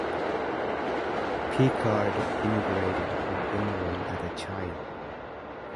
Pickard emigrated from England as a child.